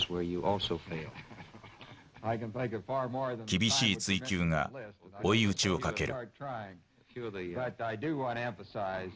厳しい追及が追い打ちをかける。